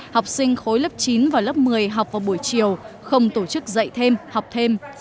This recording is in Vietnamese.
học sinh khối lớp chín và lớp một mươi học vào buổi chiều không tổ chức dạy thêm học thêm